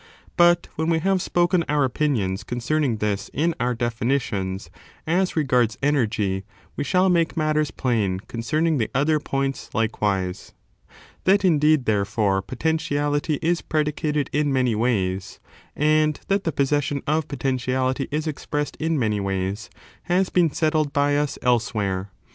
• But when we have spoken our opinions concerning this in our definitions, as regards energy, we shall make matt^^rs plain concerning the other points likewise. 2. Several That, indeed, therefore, potentiality is predi modwofpotcn cated in many ways, and that the possession of city, enume poteutiauty IS expressed m many ways, has been "• settled by us elsewhere.